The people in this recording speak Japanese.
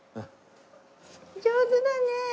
上手だね！